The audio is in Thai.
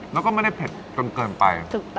แล้วก็ไม่ได้เผ็ดจนเกินไป